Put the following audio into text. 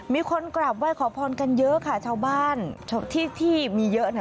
มีคนกลับว่าขอพรกันเยอะค่ะชาวบ้านที่มีเยอะ